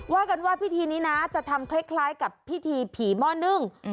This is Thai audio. ว่ากันว่าพิธีนี้นะจะทำคล้ายกับพิธีผีหม้อนึ่ง